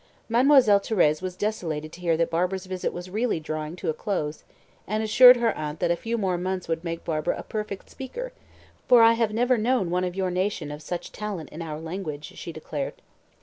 Mademoiselle Thérèse was "desolated" to hear that Barbara's visit was really drawing to a close, and assured her aunt that a few more months would make Barbara a "perfect speaker; for I have never known one of your nation of such talent in our language," she declared.